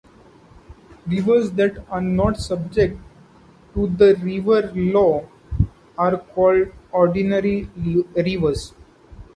Rivers that are not subject to the River Law are called ordinary rivers.